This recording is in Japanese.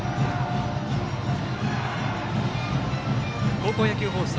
高校野球放送